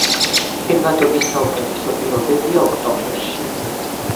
ხილვადობის საუკეთესო პირობებია ოქტომბერში.